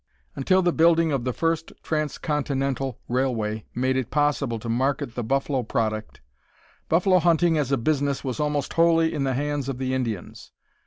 _ Until the building of the first transcontinental railway made it possible to market the "buffalo product," buffalo hunting as a business was almost wholly in the hands of the Indians.